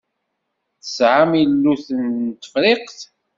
Tesɛam iluten n Tefriqt?